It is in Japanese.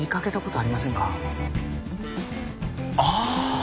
ああ！